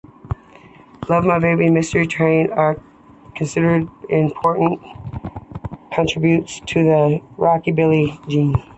"Love My Baby" and "Mystery Train" are considered important contributions to the rockabilly genre.